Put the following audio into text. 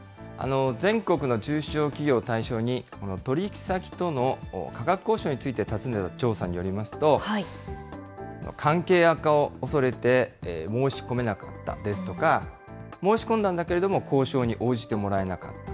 全国の中小企業を対象に、取り引き先との価格交渉について尋ねた調査によりますと、関係悪化を恐れて、申し込めなかったですとか、申し込んだんだけれども交渉に応じてもらえなかった。